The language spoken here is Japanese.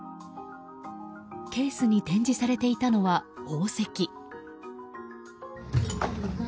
ケースに展示されていたのは宝石。